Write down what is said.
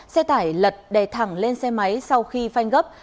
xe tải lật đè thẳng lên xe máy sau khi phanh gấp